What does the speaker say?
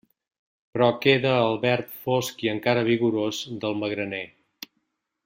Però queda el verd fosc i encara vigorós del magraner.